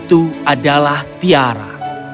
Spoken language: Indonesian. dan itu adalah tiara